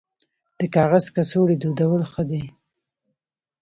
د کاغذ کڅوړې دودول ښه دي